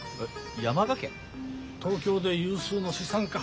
東京で有数の資産家。